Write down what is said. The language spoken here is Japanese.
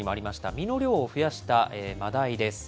身の量を増やしたマダイです。